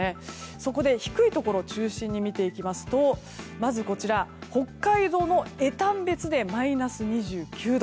そこで低いところを中心に見ていきますとまず、北海道の江丹別でマイナス２９度。